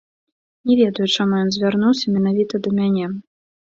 Не ведаю, чаму ён звярнуўся менавіта да мяне.